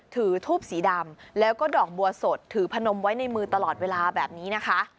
ถือทูบสีดำแล้วก็ดอกบัวสดถือพนมไว้ในมือตลอดเวลาแบบนี้นะคะ